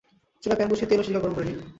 চুলায় প্যান বসিয়ে তেল ও সিরকা গরম করে নিন।